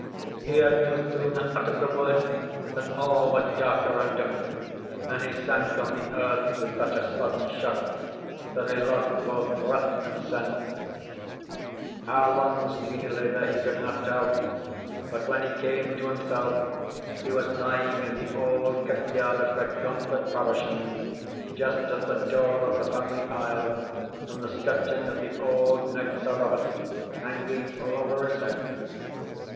He had no sooner uttered the word than all was dark around him; and he sank on the earth with such a sudden shock that he lost both breath and sense. How lang Steenie lay there he could not tell; but when he came to himsell he was lying in the auld kirkyard of Redgauntlet parochine, just at the door of the family aisle, and the scutcheon of the auld knight, Sir Robert, hanging over his head.